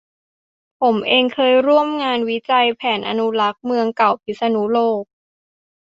ผมเองเคยร่วมงานวิจัยแผนอนุรักษ์เมืองเก่าพิษณุโลก